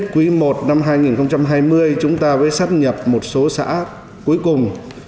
quý i năm hai nghìn hai mươi chúng ta mới sắp nhập một số xã cuối cùng